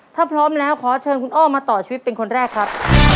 ถ้าพร้อมแล้วขอเชิญคุณอ้อมาต่อชีวิตเป็นคนแรกครับ